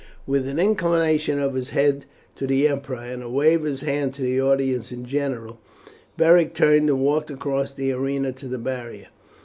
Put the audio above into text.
With an inclination of his head to the emperor and a wave of his hand to the audience in general, Beric turned and walked across the arena to the barrier.